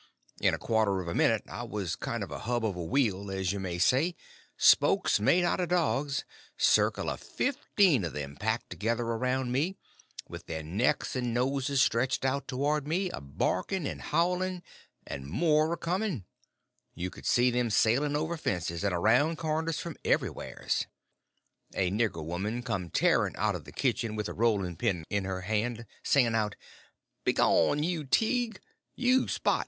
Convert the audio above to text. In a quarter of a minute I was a kind of a hub of a wheel, as you may say—spokes made out of dogs—circle of fifteen of them packed together around me, with their necks and noses stretched up towards me, a barking and howling; and more a coming; you could see them sailing over fences and around corners from everywheres. A nigger woman come tearing out of the kitchen with a rolling pin in her hand, singing out, "Begone you Tige! you Spot!